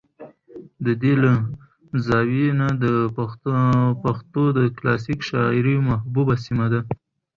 د دې له زاويې نه د پښتو د کلاسيکې شاعرۍ محبوبه سمه ده